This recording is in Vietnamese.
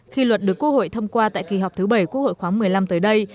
khi luật được quốc hội thông qua tại kỳ họp thứ bảy quốc hội khoáng một mươi năm tới đây